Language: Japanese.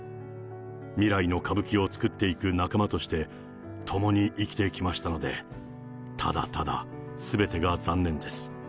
未来の歌舞伎を作っていく仲間として、共に生きてきましたので、ただただすべてが残念です。